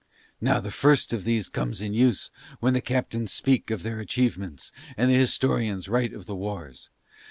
Now the first of these comes in use when the captains speak of their achievements and the historians write of the wars.